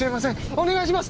お願いします！